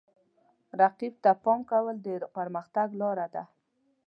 رقیب ته پام کول د پرمختګ لاره ده.